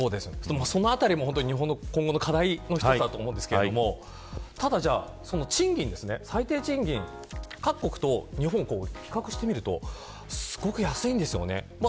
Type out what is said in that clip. そのあたりも今後の日本の課題だと思うんですがただ、最低賃金各国と日本を比較してみるとすごく安いんですよね。